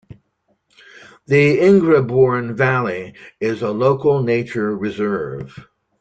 The Ingrebourne Valley is a Local Nature Reserve.